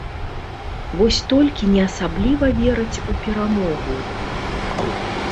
Вось толькі не асабліва вераць у перамогу.